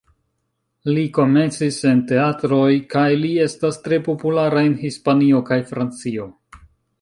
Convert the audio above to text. Li komencis en teatroj, kaj li estas tre populara en Hispanio kaj Francio.